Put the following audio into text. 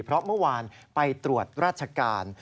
เพราะเมื่อวานไปตรวจราชการ